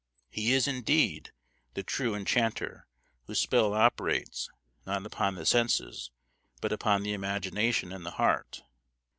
He is indeed the true enchanter, whose spell operates, not upon the senses, but upon the imagination and the heart.